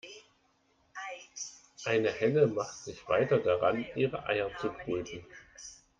Die Henne machte sich weiter daran, ihre Eier zu brüten.